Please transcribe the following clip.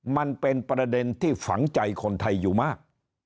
มันเป็นประเด็นที่ฝังใจคนไทยอยู่มาก